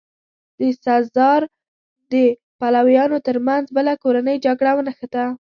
د سزار د پلویانو ترمنځ بله کورنۍ جګړه ونښته.